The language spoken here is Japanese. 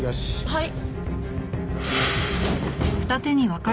はい。